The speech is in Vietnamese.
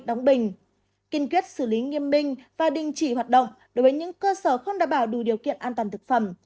đóng bình kiên quyết xử lý nghiêm minh và đình chỉ hoạt động đối với những cơ sở không đảm bảo đủ điều kiện an toàn thực phẩm